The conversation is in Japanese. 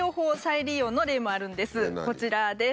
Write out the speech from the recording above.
こちらです。